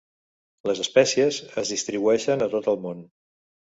Les espècies es distribueixen a tot el món.